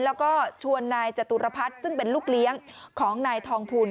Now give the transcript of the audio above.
แล้วก็ชวนนายจตุรพัฒน์ซึ่งเป็นลูกเลี้ยงของนายทองภูล